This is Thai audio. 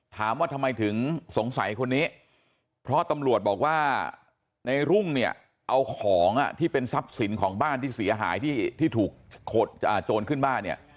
ถามว่าทำไมถึงสงสัยคนนี้เพราะตำรวจบอกว่าในรุ่งเนี่ยเอาของที่เป็นทรัพย์สินของบ้านที่เสียหายที่ถูกโจรขึ้นบ้านเนี่ย